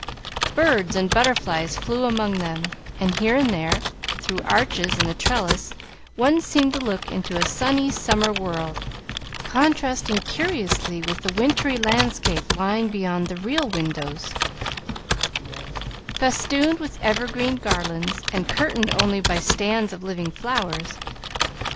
Birds and butterflies flew among them, and here and there, through arches in the trellis, one seemed to look into a sunny summer world, contrasting curiously with the wintry landscape lying beyond the real windows, festooned with evergreen garlands, and curtained only by stands of living flowers.